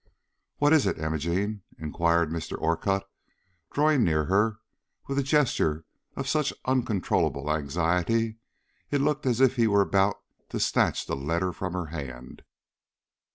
"What is it, Imogene?" inquired Mr. Orcutt, drawing near her with a gesture of such uncontrollable anxiety, it looked as if he were about to snatch the letter from her hand.